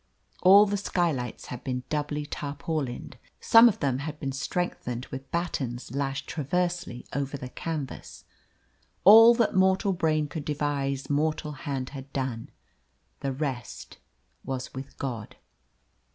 All the skylights had been doubly tarpaulined. Some of them had been strengthened with battens lashed transversely over the canvas. All that mortal brain could devise mortal hand had done. The rest was with God.